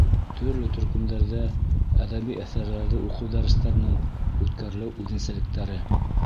Төрлө төркөмдәрҙә әҙәби әҫәрҙәрҙе уҡыу дәрестәренең үткәрелеү үҙенсәлектәре.